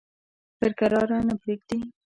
پر کراره نه پرېږدي.